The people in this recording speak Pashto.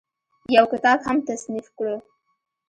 يو کتاب هم تصنيف کړو